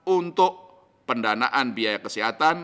untuk pendanaan biaya kesehatan